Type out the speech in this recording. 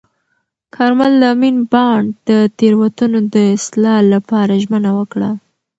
کارمل د امین بانډ د تېروتنو د اصلاح لپاره ژمنه وکړه.